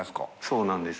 そうなんです。